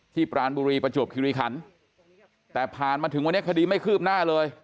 ปรานบุรีประจวบคิริขันแต่ผ่านมาถึงวันนี้คดีไม่คืบหน้าเลย